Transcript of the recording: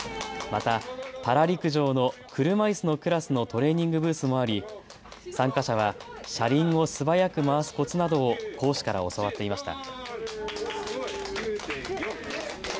またパラ陸上の車いすのクラスのトレーニングブースもあり参加者は車輪を素早く回すコツなどを講師から教わっていました。